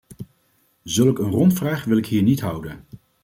Zulk een rondvraag wil ik hier niet houden.